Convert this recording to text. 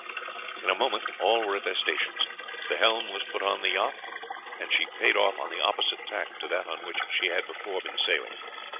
In a moment all were at their stations. The helm was put on the yacht, and she payed off on the opposite tack to that on which she had before been sailing.